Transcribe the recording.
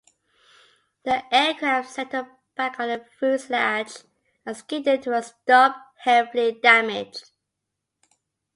The aircraft settled back on the fuselage and skidded to a stop, heavily damaged.